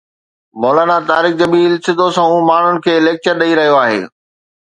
مولانا طارق جميل سڌو سنئون ماڻهن کي ليڪچر ڏئي رهيو آهي